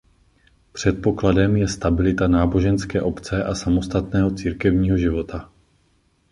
Předpokladem je stabilita náboženské obce a samostatného církevního života.